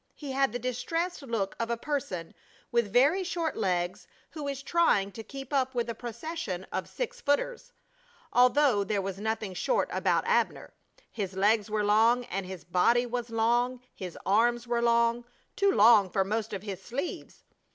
He had the distressed look of a person with very short legs who is trying to keep up with a procession of six footers, although there was nothing short about Abner. His legs were long, and his body was long, his arms were long, too long for most of his sleeves.